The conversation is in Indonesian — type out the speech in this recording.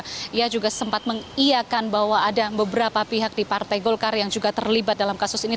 dia juga sempat mengiakan bahwa ada beberapa pihak di partai golkar yang juga terlibat dalam kasus ini